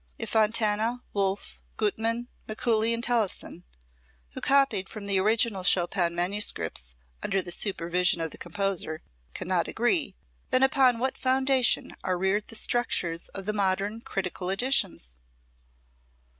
If Fontana, Wolff, Gutmann, Mikuli and Tellefsen, who copied from the original Chopin manuscripts under the supervision of the composer, cannot agree, then upon what foundation are reared the structures of the modern critical editions?